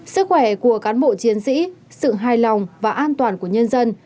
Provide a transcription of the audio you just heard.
sức khỏe của cán bộ chiến sĩ sự hài lòng và an toàn của nhân dân